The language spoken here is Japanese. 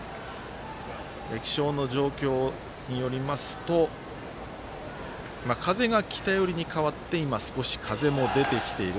気象状況によりますと風が北寄りに変わって今、少し風も出てきている。